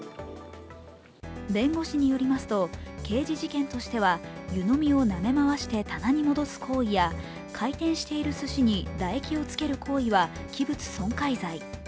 弁護士によりますと刑事事件としては湯飲みをなめ回して棚に戻す行為や、回転しているすしに唾液をつける行為は器物損壊罪。